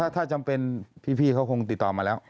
ถ้าจำเป็นพี่เขาคงติดต่อมาแล้ว